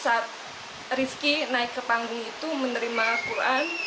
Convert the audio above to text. saya ingat sekali momen saat rifki naik ke panggung itu menerima quran